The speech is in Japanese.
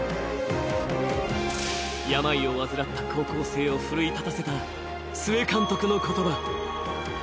病を患った高校生を奮い立たせた須江監督の言葉。